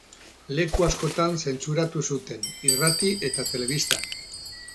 Leku askotan zentsuratu zuten, irrati eta telebistan.